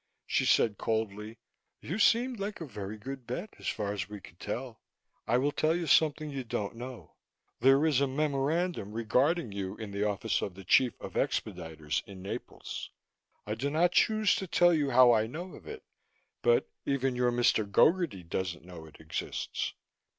She said coldly: "You seemed like a very good bet, as far as we could tell. I will tell you something you don't know. There is a memorandum regarding you in the office of the Chief of Expediters in Naples. I do not choose to tell you how I know of it, but even your Mr. Gogarty doesn't know it exists.